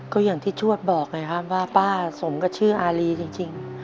ก็อย่างที่ชวดบอกไงครับว่าป้าสมกับชื่ออารีจริง